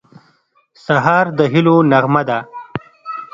سهار د هیلو نغمه ده.